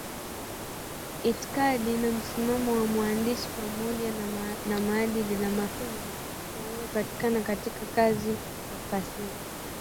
itikadi na msimamo wa mwandishi pamoja na maadili na mafunzo yanayopatikana katika kazi ya fasihi